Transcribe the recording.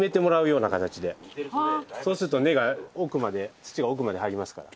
そうすると根が奥まで土が奥まで入りますから。